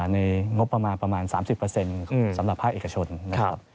ในงบประมาณประมาณ๓๐สำหรับภาคเอกชนนะครับ